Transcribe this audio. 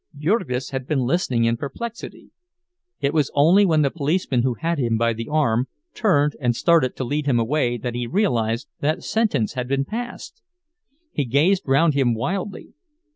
Jurgis had been listening in perplexity. It was only when the policeman who had him by the arm turned and started to lead him away that he realized that sentence had been passed. He gazed round him wildly.